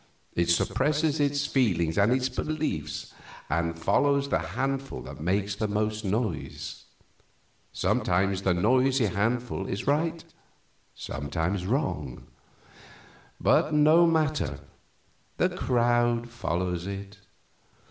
It suppresses its feelings and its beliefs and follows the handful that makes the most noise. Sometimes the noisy handful is right, sometimes wrong; but no matter, the crowd follows it.